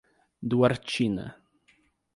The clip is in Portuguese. Duartina